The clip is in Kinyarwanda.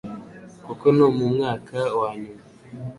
Kuko ni mu mwaka wa nyuma